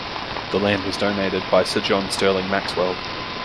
The land was donated by Sir John Stirling-Maxwell.